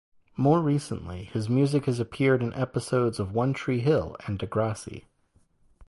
More recently, his music has appeared in episodes of "One Tree Hill" and "Degrassi".